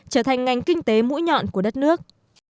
trở thành ngành kinh tế mũi nhọn của đất nước